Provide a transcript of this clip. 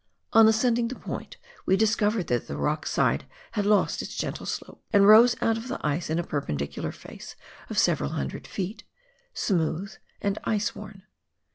On ascending the point, we discovered that the rock side had lost its gentle slope, and rose out of the ice in a perpendicular face of several hundred feet — smooth and ice worn.